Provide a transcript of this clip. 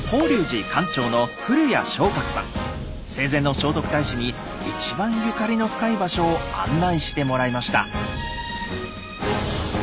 生前の聖徳太子に一番ゆかりの深い場所を案内してもらいました。